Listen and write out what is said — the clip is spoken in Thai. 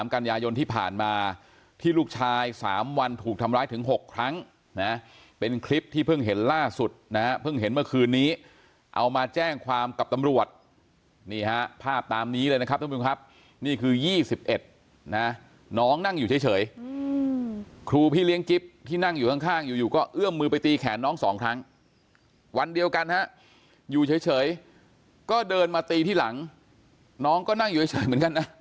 ที่ผ่านมาที่ลูกชาย๓วันถูกทำร้ายถึง๖ครั้งนะเป็นคลิปที่เพิ่งเห็นล่าสุดนะฮะเพิ่งเห็นเมื่อคืนนี้เอามาแจ้งความกับตำรวจนี่ฮะภาพตามนี้เลยนะครับท่านผู้ชมครับนี่คือ๒๑นะน้องนั่งอยู่เฉยครูพี่เลี้ยงกิ๊บที่นั่งอยู่ข้างอยู่ก็เอื้อมมือไปตีแขนน้อง๒ครั้งวันเดียวกันฮะอยู่เฉยก็เดินมาตีที่หลังน้องก็นั่งอยู่เฉยเหมือนกันนะ